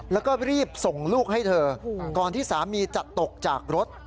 แล้วก็รีบส่งลูกให้เธอก่อนที่สามีจะตกจากรถ